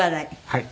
はい。